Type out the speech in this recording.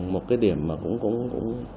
một cái điểm mà cũng